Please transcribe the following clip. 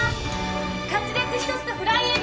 カツレツ１つとフライエビ